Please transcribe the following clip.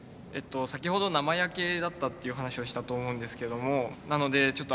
先ほど生焼けだったっていう話をしたと思うんですけどもなのでちょっと